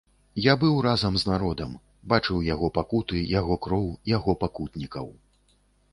Я быў разам з народам, бачыў яго пакуты, яго кроў, яго пакутнікаў.